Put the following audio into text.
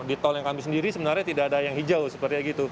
di tol yang kami sendiri sebenarnya tidak ada yang hijau seperti itu